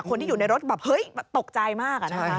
คนที่อยู่ในรถตกใจมาก